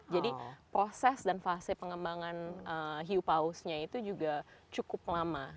jadi proses dan fase pengembangan hupausnya itu juga cukup lama